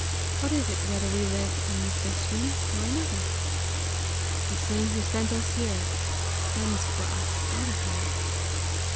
What is it whether we live in this room or another? The same who sent us here, sends for us out of here!"